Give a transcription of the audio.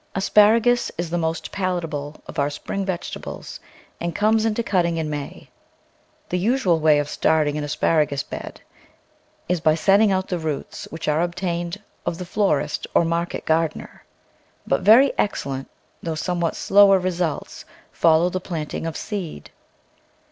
ASPARAGUS Is the most palatable of our spring vegetables and comes into cutting in INIay. The usual way of start ing an asparagus bed is by setting out the roots, which are obtained of the florist or market gar dener ; but very excellent, though somewhat slower, results follow the planting of seed.